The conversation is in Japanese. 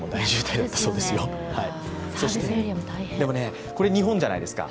でもね、これ日本じゃないですか。